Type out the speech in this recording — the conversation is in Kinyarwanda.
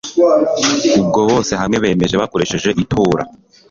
ubwo bose hamwe bemeza bakoresheje itora